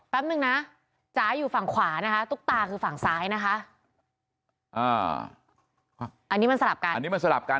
แป๊บนึงนะจ๋าอยู่ฝั่งขวานะคะตุ๊กตาคือฝั่งซ้ายนะคะอ่าอันนี้มันสลับกัน